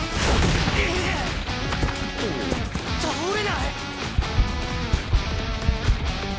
倒れない！？